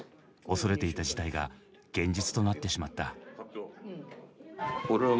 恐れていた事態が現実となってしまった。